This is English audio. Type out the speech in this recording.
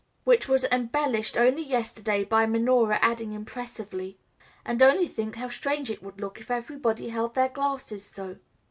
Which was embellished only yesterday by Minora adding impressively, "And only think how strange it would look if everybody held their glasses so."